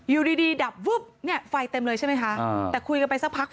อยู่ที่นี่ดับฟี่เต็มเลยใช่ไหมคะแต่คุยกันไปสักพัก